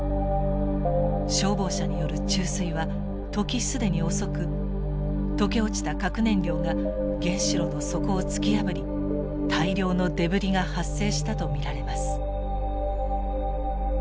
消防車による注水は時既に遅く溶け落ちた核燃料が原子炉の底を突き破り大量のデブリが発生したと見られます。